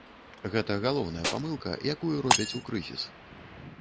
Гэта галоўная памылка, якую робяць у крызіс.